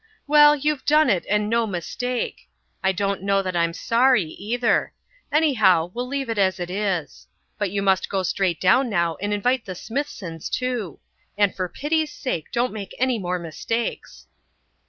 "Well, you've done it and no mistake. I don't know that I'm sorry, either. Anyhow, we'll leave it as it is. But you must go straight down now and invite the Smithsons too. And for pity's sake, don't make any more mistakes."